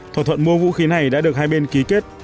thỏa thuận mua vũ khí này đã được hai bên ký kết